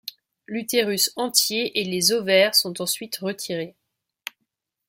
L'utérus entier et les ovaires sont ensuite retirés.